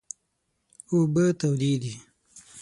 اوبه تودې دي